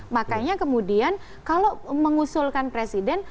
makanya kemudian kalau mengusulkan presiden